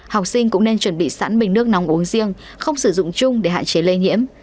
học sinh cũng nên chuẩn bị sẵn bình nước nóng uống riêng không sử dụng chung để hạn chế lây nhiễm